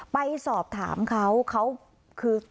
ไปสอบถามเขาเขาคือ